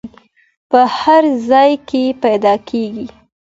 په هر ځای کې پیدا کیږي.